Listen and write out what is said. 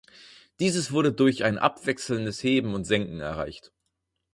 Dieses wurde durch ein abwechselndes Heben und Senken erreicht.